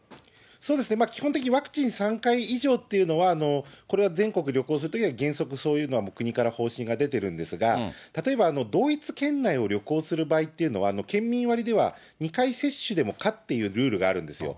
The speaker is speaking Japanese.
そうですね、基本的にワクチン３回以上というのは、これは全国旅行するときは原則、そういうのは国から方針が出てるんですが、例えば、同一県内を旅行する場合というのは、県民割では２回接種でも可っていうルールがあるんですよ。